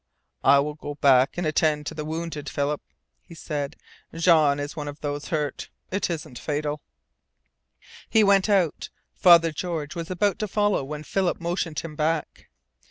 "I will go back and attend to the wounded, Philip," he said. "Jean is one of those hurt. It isn't fatal." He went out. Father George was about to follow when Philip motioned him back.